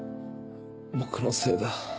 僕のせいだ。